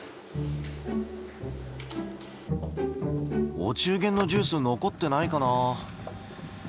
お中元のジュース残ってないかな。